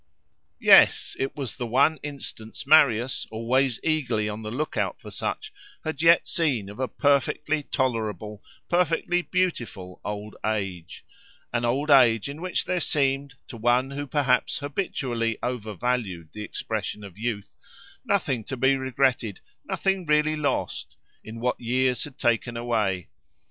Yes! it was the one instance Marius, always eagerly on the look out for such, had yet seen of a perfectly tolerable, perfectly beautiful, old age—an old age in which there seemed, to one who perhaps habitually over valued the expression of youth, nothing to be regretted, nothing really lost, in what years had taken away.